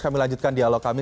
kami lanjutkan dialog kami